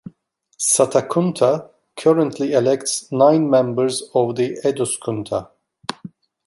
Satakunta currently elects nine members of the "Eduskunta".